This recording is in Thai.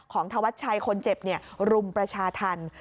ธวัชชัยคนเจ็บรุมประชาธรรม